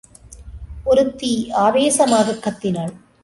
ஒருத்தி ஆவேசமாக கத்தினாள்.